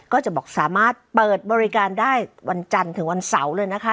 ก็จะบอกสามารถเปิดบริการได้วันจันทร์ถึงวันเสาร์เลยนะคะ